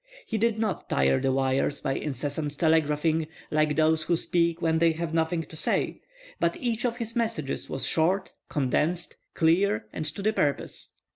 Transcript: He did not tire the wires by incessant telegraphing, like those who speak when they have nothing to say, but each of his messages was short, condensed, clear, and to the purpose.